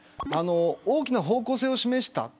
大きな方向性を示した。